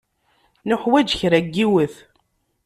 Nuḥwaǧ kra n yiwet.